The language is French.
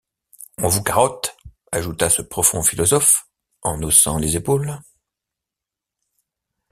On vous carotte, ajouta ce profond philosophe en haussant les épaules.